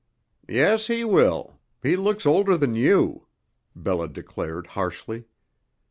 "Yes, he will. He looks older than you," Bella declared harshly.